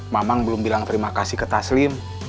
mamang belum bilang terima kasih ke taslim